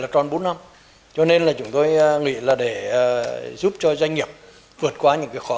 trong chiều nay chủ tịch quốc hội vương đình huệ đã